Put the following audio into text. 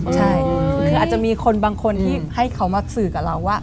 ใช่คืออาจจะมีคนบางคนที่ให้เขามาสื่อกับเราว่า